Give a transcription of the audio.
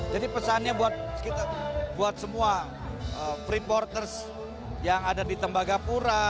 jadi pesannya buat semua freeporters yang ada di tembagapura